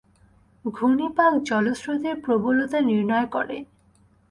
ঘূর্ণিপাক জলস্রোতের প্রবলতা নির্ণয় করে।